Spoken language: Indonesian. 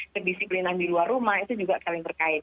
kedisiplinan di luar rumah itu juga saling terkait